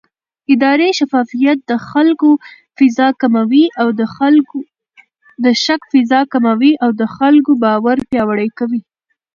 اداري شفافیت د شک فضا کموي او د خلکو باور پیاوړی کوي